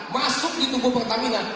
masuk di tubuh pertamina